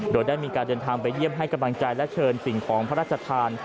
โดยได้มีการเดินทางไปเยี่ยมให้กำลังใจและเชิญสิ่งของพระราชทาน